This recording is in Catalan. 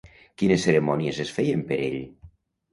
Quines cerimònies es feien per ell?